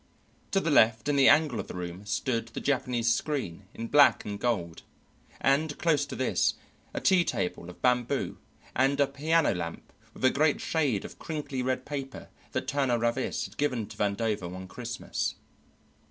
To the left in the angle of the room stood the Japanese screen in black and gold, and close to this a tea table of bamboo and a piano lamp with a great shade of crinkly red paper that Turner Ravis had given to Vandover one Christmas.